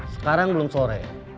sekarang belum sore